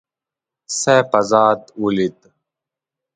سیف آزاد ولید.